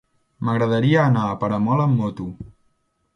M'agradaria anar a Peramola amb moto.